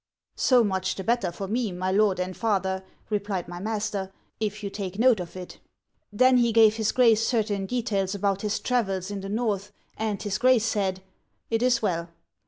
' So much the better for me, my lord and father,' re plied my master, 'if you take note of it.' Then he gave his Grace certain details about his travels in the Xorth, and his Grace said :' It is well.'